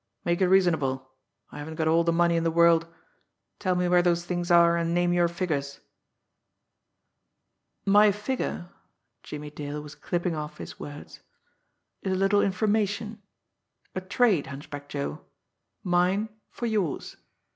Make it reasonable. I haven't got all the money in the world. Tell me where those things are, and name your figures." "My figure" Jimmie Dale was clipping off his words "is a little information. A trade, Hunchback Joe mine for yours.